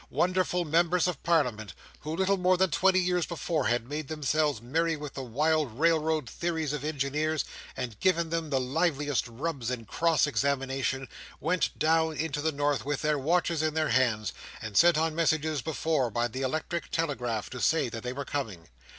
Wonderful Members of Parliament, who, little more than twenty years before, had made themselves merry with the wild railroad theories of engineers, and given them the liveliest rubs in cross examination, went down into the north with their watches in their hands, and sent on messages before by the electric telegraph, to say that they were coming.